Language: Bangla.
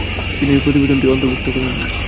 তিনি এই প্রতিবেদনটি অন্তর্ভুক্ত করেন।